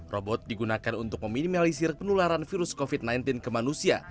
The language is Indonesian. robot digunakan untuk meminimalisir penularan virus covid sembilan belas ke manusia